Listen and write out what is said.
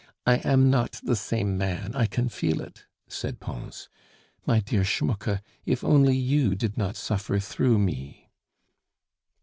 I am not the same man, I can feel it," said Pons. "My dear Schmucke, if only you did not suffer through me!"